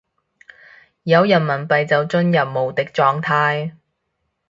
有人民幣就進入無敵狀態